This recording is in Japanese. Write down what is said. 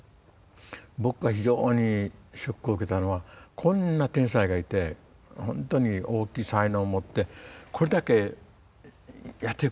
僕が非常にショックを受けたのはこんな天才がいて本当に大きい才能を持ってこれだけやっていこうとしている。